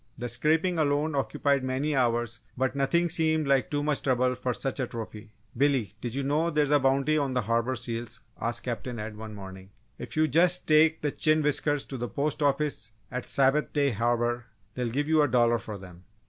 The scraping alone occupied many hours but nothing seemed like too much trouble for such a trophy! "Billy, did you know there's a bounty on the Harbour seals?" asked Captain Ed, one morning. "If you just take the chin whiskers to the Post Office at Sabbath Day Harbour they'll give you a dollar for them."